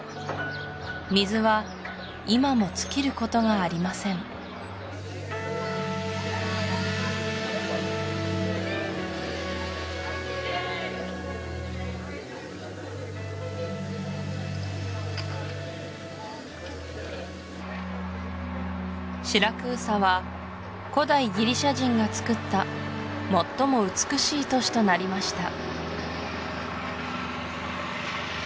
水は今も尽きることがありませんシラクーサは古代ギリシア人がつくった最も美しい都市となりました